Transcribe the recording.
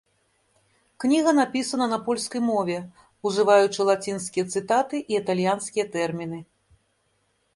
Кніга напісана на польскай мове, ужываючы лацінскія цытаты і італьянскія тэрміны.